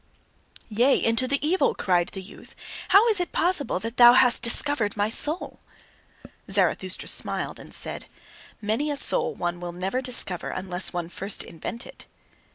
"Yea, into the evil!" cried the youth. "How is it possible that thou hast discovered my soul?" Zarathustra smiled, and said: "Many a soul one will never discover, unless one first invent it."